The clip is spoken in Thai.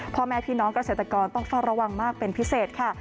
พ่อแม่พี่น้องเกษตรกรต้องเฝ้าระวังมากเป็นพิเศษค่ะ